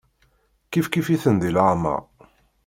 Kifkif-itent di leɛmeṛ.